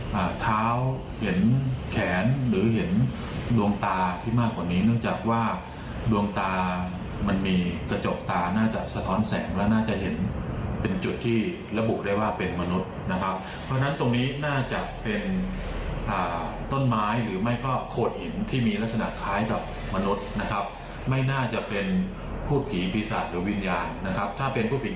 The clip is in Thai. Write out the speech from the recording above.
หากเท้าเห็นแขนหรือเห็นดวงตาที่มากกว่านี้เนื่องจากว่าดวงตามันมีกระจกตาน่าจะสะท้อนแสงแล้วน่าจะเห็นเป็นจุดที่ระบุได้ว่าเป็นมนุษย์นะครับเพราะฉะนั้นตรงนี้น่าจะเป็นอ่าต้นไม้หรือไม่ก็โขดหินที่มีลักษณะคล้ายกับมนุษย์นะครับไม่น่าจะเป็นพูดผีปีศาจหรือวิญญาณนะครับถ้าเป็นผู้ปิด